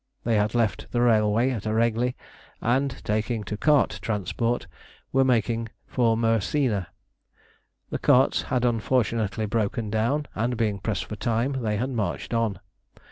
They had left the railway at Eregli, and, taking to cart transport, were making for Mersina. The carts had unfortunately broken down, and being pressed for time they had marched on.